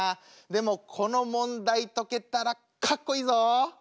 でもこの問題解けたらかっこいいぞ！